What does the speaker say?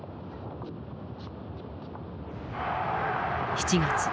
７月。